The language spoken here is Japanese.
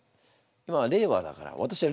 今は令和だから。